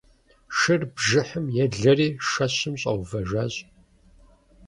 Шыр бжыхьым елъэри шэщым щӀэувэжащ.